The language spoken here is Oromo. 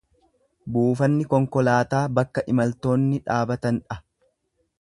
Buufanni konkolaataa bakka imaltoonni dhaabatan dha.